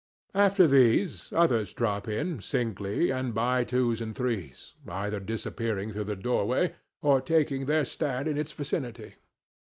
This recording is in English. After these, others drop in singly and by twos and threes, either disappearing through the doorway or taking their stand in its vicinity.